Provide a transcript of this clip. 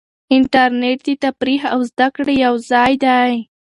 انټرنیټ د تفریح او زده کړې یو ځای دی.